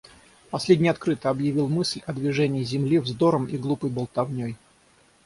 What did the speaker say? Последний открыто объявил мысль о движении Земли вздором и глупой болтовней.